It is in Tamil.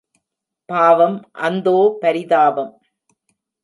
பாவம் அந்தோ, பரிதாபம்!